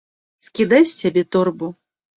Скідай з сябе торбу!